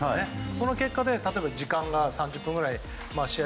その結果で、時間が３０分ぐらい試合